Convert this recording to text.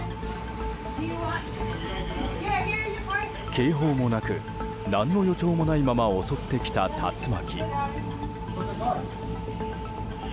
警報もなく何の予兆もないまま襲ってきた竜巻。